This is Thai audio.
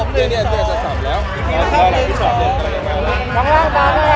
พี่ดอยครับ